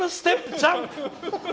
ジャンプ！」